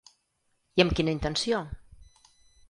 I amb quina intenció?